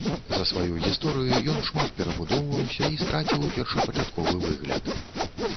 За сваю гісторыю ён шмат перабудоўваўся і страціў першапачатковы выгляд.